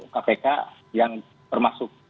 kpk yang termasuk